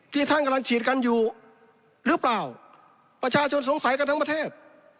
ท่านกำลังฉีดกันอยู่หรือเปล่าประชาชนสงสัยกันทั้งประเทศ